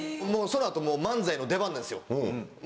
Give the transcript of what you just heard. その後もう漫才の出番ですよ。